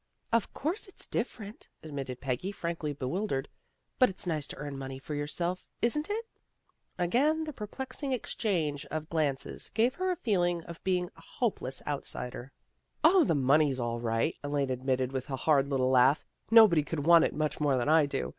" Of course it's different," admitted Peggy, frankly bewildered. " But it's nice to earn money for yourself, isn't it? " Again the perplexing exchange of glances gave her a feeling of being a hopeless outsider. 136 THE GIRLS OF FRIENDLY TERRACE " 0, the money's all right," Elaine admitted with a hard little laugh. " Nobody could want it much more than I do.